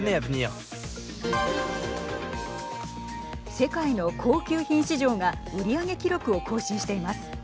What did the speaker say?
世界の高級品市場が売り上げ記録を更新しています。